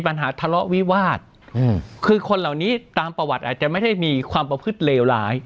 ปัญหาทะเลาะวิวาสคือคนเหล่านี้ตามประวัติอาจจะไม่ได้มีความประพฤติเลวร้าย